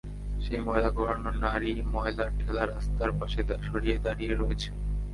সেই ময়লা কুড়ানো নারী, ময়লার ঠেলা রাস্তার পাশে সরিয়ে দাঁড়িয়ে রয়েছে।